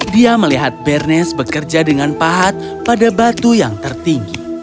dia melihat bernest bekerja dengan pahat pada batu yang tertinggi